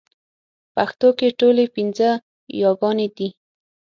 پښتو کې ټولې پنځه يېګانې دي